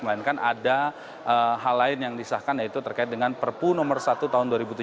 melainkan ada hal lain yang disahkan yaitu terkait dengan perpu nomor satu tahun dua ribu tujuh belas